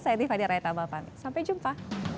saya niefadiyah rayta mbapak sampai jumpa